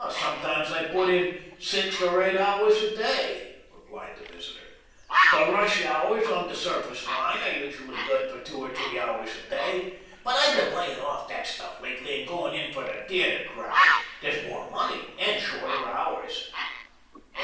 "Sometimes I put in six or eight hours a day," replied the visitor. "De rush hours on de surface line are usually good for two or t'ree hours a day, but I been layin' off dat stuff lately and goin' in fer de t'ater crowd. Dere's more money and shorter hours."